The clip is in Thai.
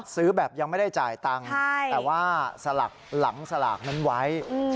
ซื้อแบบยังไม่ได้จ่ายตังค์แต่ว่าสลากหลังสลากนั้นไว้